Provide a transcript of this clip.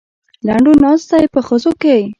لنډو ناست دی په خزو کې.